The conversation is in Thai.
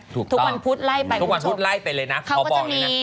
ถูกต้องทุกวันพุธไล่ไปคุณผู้ชมเขาก็จะมี